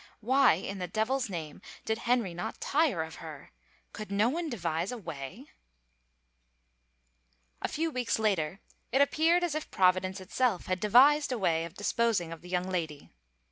Why, in the devil's name, did Henry not tire of her? ... Could no one devise a way —? A few weeks later it appeared as if Providence itself had devised a way of disposing of the young lady.